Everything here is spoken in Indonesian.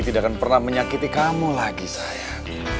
tidak akan pernah menyakiti kamu lagi saya